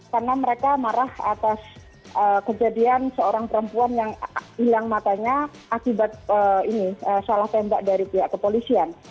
karena mereka marah atas kejadian seorang perempuan yang hilang matanya akibat ini salah tembak dari pihak kepolisian